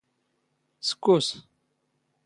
ⵙⴽⴽⵓⵙ!